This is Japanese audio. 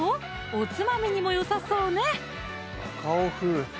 おつまみにもよさそうね